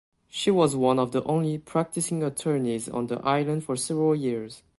She was one of the only practicing attorneys on the island for several years.